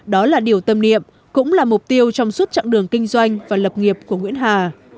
đó là điều tâm niệm cũng là mục tiêu trong suốt chặng đường kinh doanh và lập nghiệp của nguyễn hà